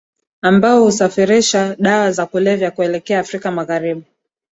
ambao husafirisha dawa za kulevya kuelekea afrika magharibi